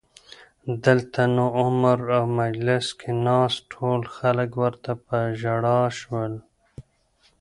دلته نو عمر او مجلس کې ناست ټول خلک ورته په ژړا شول